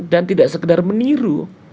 dan tidak sekedar meniru